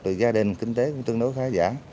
thì gia đình kinh tế cũng tương đối khá giả